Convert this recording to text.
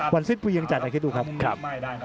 วันศิษย์ก็ยังจัดอย่างนี้ดูครับครับ